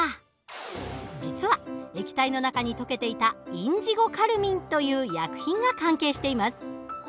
実は液体の中に溶けていたインジゴカルミンという薬品が関係しています。